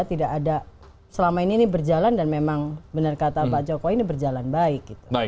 tidak ada selama ini ini berjalan dan memang benar kata pak jokowi ini berjalan baik